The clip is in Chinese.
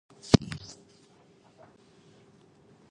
为脑科学研究提供全新的平台